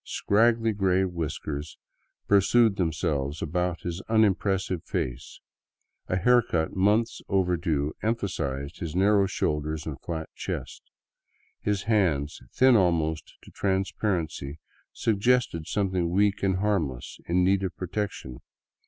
Scraggly gray whiskers pursued themselves about his unimpressive face ; a haircut months overdue emphasized his narrow shoulders and flat chest. His hands, thin almost to trans parency, suggested something weak and harmless in need of protection.